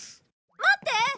待って！